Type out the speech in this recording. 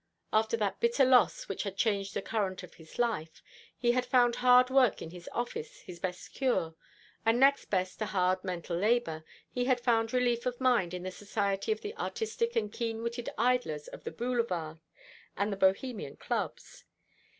After that bitter loss which had changed the current of his life, he had found hard work in his office his best cure, and next best to hard mental labour he had found relief of mind in the society of the artistic and keen witted idlers of the Boulevard and the Bohemian clubs.